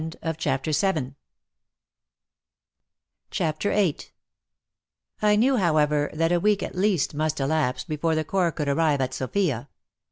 CHAPTER VIII I KNEW, however, that a week at least must elapse before the Corps could arrive at Sofia.